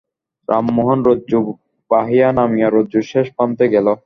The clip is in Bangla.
রামমোহন রজ্জু বাহিয়া নামিয়া রজ্জুর শেষ প্রান্তে গেল।